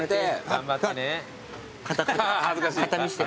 形見して。